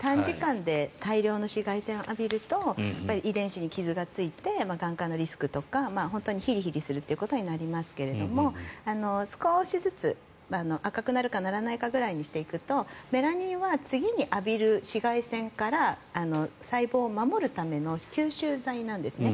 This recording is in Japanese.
短時間で大量の紫外線を浴びると遺伝子に傷がついてがん化のリスクとか本当にヒリヒリするということになりますけど少しずつ、赤くなるかならないかくらいにしていくとメラニンは次に浴びる紫外線から細胞を守るための吸収剤なんですね。